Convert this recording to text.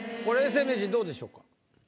これ永世名人どうでしょうか？